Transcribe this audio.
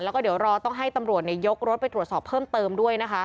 แล้วก็เดี๋ยวรอต้องให้ตำรวจยกรถไปตรวจสอบเพิ่มเติมด้วยนะคะ